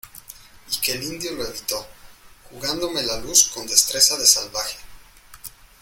y que el indio lo evitó jugándome la luz con destreza de salvaje.